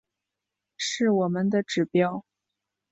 是我们的指标